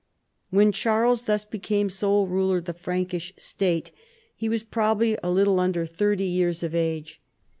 When Charles thus became sole ruler of the Frankish state he was probably a little under thirty years of age.